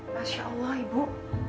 masya allah ibu